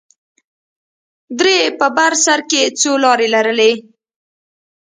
درې په بر سر کښې څو لارې لرلې.